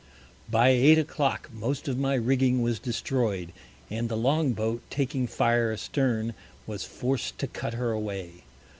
By Eight o' Clock most of my Rigging was destroy'd, and the Long boat taking Fire a stern, was forc'd to cut her away.